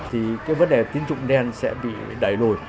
thì cái vấn đề tín dụng đen sẽ bị đẩy nổi